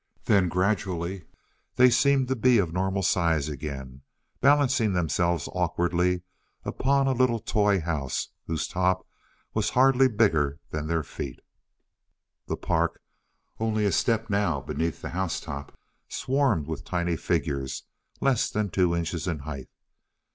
Then gradually, they seemed to be of normal size again, balancing themselves awkwardly upon a little toy house whose top was hardly bigger than their feet. The park, only a step now beneath the house top, swarmed with tiny figures less than two inches in height.